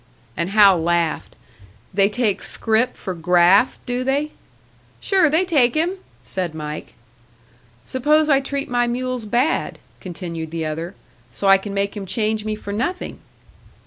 And Hal laughed. "They take scrip for graft, do they?" "Sure they take him," said Mike. "Suppose I treat my mules bad?" continued the other. "So I can make him change me for nothing!"